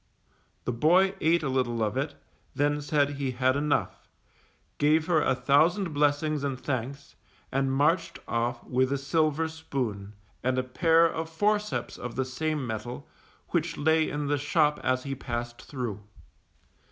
The boy ate a little of it, then said he had enough, gave her a thousand blessings and thanks, and marched off with a silver spoon, and a pair of forceps of the same mettle, which lay in the shop as he passed through.